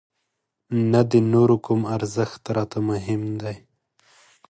نه د نورو کوم ارزښت راته مهم دی.